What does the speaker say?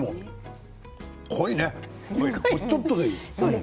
濃いね、ちょっとでいい。